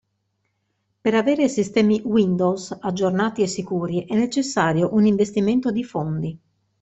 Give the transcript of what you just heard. Per avere sistemi Windows aggiornati e sicuri è necessario un investimento di fondi.